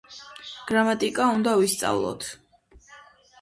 გრამატიკა უნდა ვისწავლოთ.